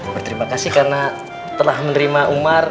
berterima kasih karena telah menerima umar